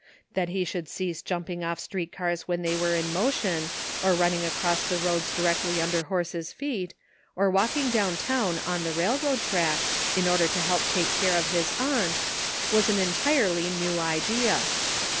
That he should cease jumping off street cars when they were in motion, or running across the roads directly under horses' feet, or walk ing down town on the railroad track, in order to help take care of his aunt, was an entirely new idea.